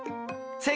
正解！